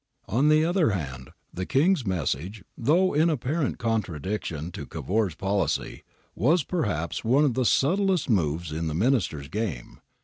On the other hand, the King's message, though in apparent contradiction to Cavour's policy, was perhaps one of the subtlest moves in the Minister's game.